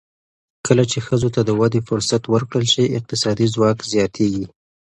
کله چې ښځو ته د ودې فرصت ورکړل شي، اقتصادي ځواک زیاتېږي.